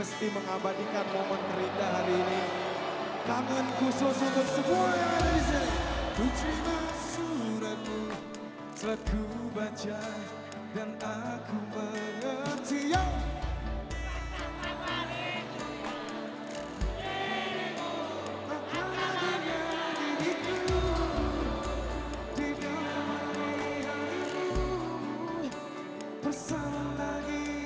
semoga waktu akan menilai sisi hatimu yang betul